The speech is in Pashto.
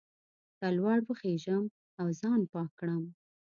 که لوړ وخېژم او ځان پاک کړم.